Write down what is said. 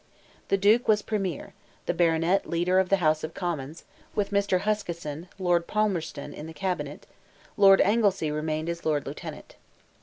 The Duke was Premier, the Baronet leader of the House of Commons; with Mr. Huskisson, Lord Palmerston, in the cabinet; Lord Anglesea remained as Lord Lieutenant.